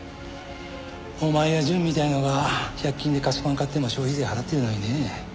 お前や淳みたいなのが１００均で菓子パン買っても消費税払ってるのにね。